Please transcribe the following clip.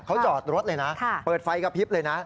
เขาจอดรถเลยนะเปิดไฟกระพริบเลยนะ